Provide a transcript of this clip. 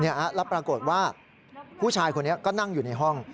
แล้วปรากฏว่าผู้ชายคนนี้ก็นั่งอยู่ในห้อง